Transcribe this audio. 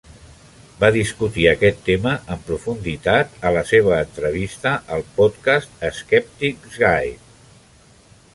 Va discutir aquest tema en profunditat a la seva entrevista al podcast "Skeptics' Guide".